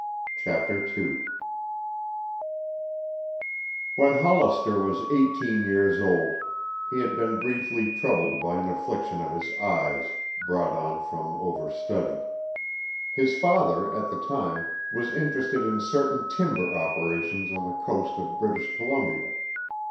CHAPTER II When Hollister was eighteen years old he had been briefly troubled by an affliction of his eyes brought on from overstudy. His father, at the time, was interested in certain timber operations on the coast of British Columbia.